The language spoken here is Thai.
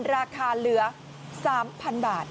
ราคาเหลือ๓๐๐๐บาท